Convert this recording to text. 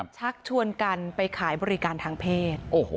ชักชวนกันไปขายบริการทางเพศ